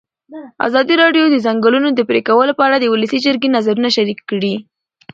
ازادي راډیو د د ځنګلونو پرېکول په اړه د ولسي جرګې نظرونه شریک کړي.